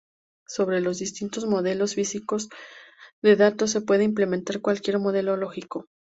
Sobre los distintos modelos físicos de datos se puede implementar cualquier modelo lógico.